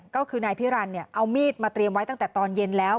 ก็คือนายพิรันดิเอามีดมาเตรียมไว้ตั้งแต่ตอนเย็นแล้ว